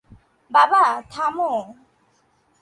বাবা, থামো!